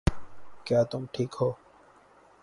کیا تم ٹھیک ہو